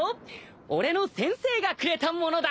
俺の師匠がくれたものだ！